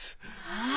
ああ。